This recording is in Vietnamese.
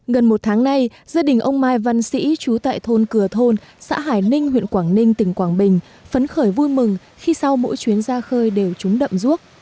gần một tháng nay gia đình ông mai văn sĩ trú tại thôn cửa thôn xã hải ninh huyện quảng ninh tỉnh quảng bình phấn khởi vui mừng khi sau mỗi chuyến ra khơi đều trúng đậm ruốc